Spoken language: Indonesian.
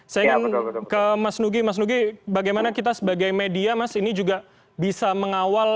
saya ingin ke mas nugi mas nugi bagaimana kita sebagai media mas ini juga bisa mengawal